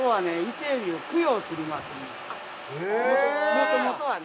もともとはね。